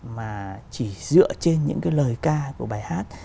mà chỉ dựa trên những cái lời ca của bài hát